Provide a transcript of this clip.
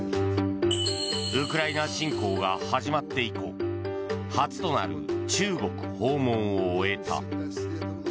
ウクライナ侵攻が始まって以降初となる中国訪問を終えた。